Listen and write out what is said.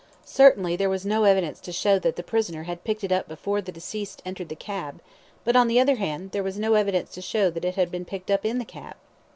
Certainly there was no evidence to show that the prisoner had picked it up before the deceased entered the cab; but, on the other hand, there was no evidence to show that it had been picked up in the cab.